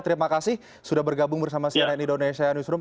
terima kasih sudah bergabung bersama cnn indonesia newsroom